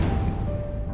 dia udah selesai